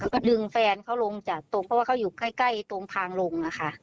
เขาก็วิ่งก็ดึงแฟนเขาลงจากตรงเพราะว่าเขาอยู่ใกล้ใกล้ตรงทางลงอ่ะค่ะ